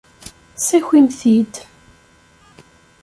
Ssakimt-t-id.